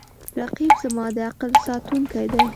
رقیب زما د عقل ساتونکی دی